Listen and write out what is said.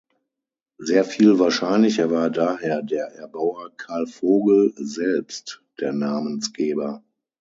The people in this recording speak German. Sehr viel wahrscheinlicher war daher der Erbauer Carl Vogel selbst der Namensgeber.